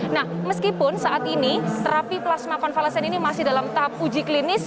nah meskipun saat ini terapi plasma konvalesen ini masih dalam tahap uji klinis